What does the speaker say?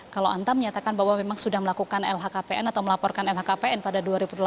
kalau antam menyatakan bahwa memang sudah melakukan lhkpn atau melaporkan lhkpn pada dua ribu delapan belas